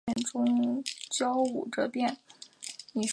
不及淮阴有将坛。